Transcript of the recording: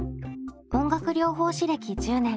音楽療法士歴１０年。